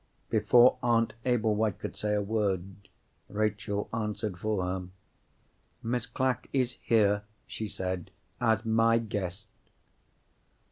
Before Aunt Ablewhite could say a word, Rachel answered for her. "Miss Clack is here," she said, "as my guest."